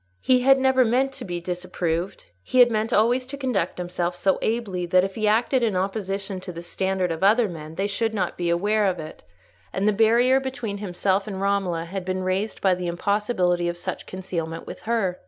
He had never meant to be disapproved; he had meant always to conduct himself so ably that if he acted in opposition to the standard of other men they should not be aware of it; and the barrier between himself and Romola had been raised by the impossibility of such concealment with her.